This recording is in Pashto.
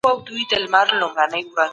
O ګروپ غوښه خوړونکی دی.